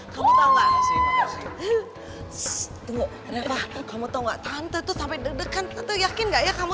kamu tahu gak kamu tahu gak tante tuh sampai dedekan atau yakin gak ya kamu